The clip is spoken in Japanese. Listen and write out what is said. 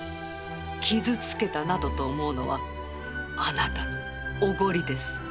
傷つけたなどと思うのはあなたのおごりです。